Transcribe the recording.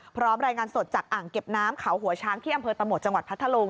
พร้อมรายงานสดจากอ่างเก็บน้ำเขาหัวช้างที่อำเภอตะหมดจังหวัดพัทธลุง